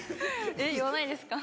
言わないですか？